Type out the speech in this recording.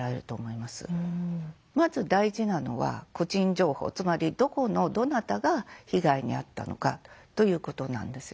まず大事なのは個人情報つまりどこのどなたが被害に遭ったのかということなんですよね。